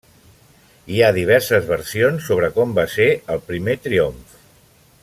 Hi ha diverses versions sobre com va ser el primer triomf.